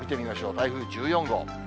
台風１４号。